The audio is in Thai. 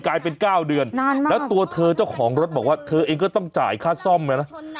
กลายเป็น๙เดือนแล้วตัวเธอเจ้าของรถบอกว่าเธอเองก็ต้องจ่ายค่าซ่อมเลยนะ